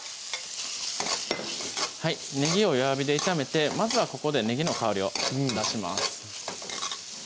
はいねぎを弱火で炒めてまずはここでねぎの香りを出します